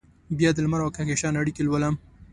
بیا دلمر اوکهکشان اړیکې لولم